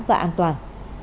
và đảm bảo an toàn